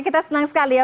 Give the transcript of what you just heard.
kita senang sekali ya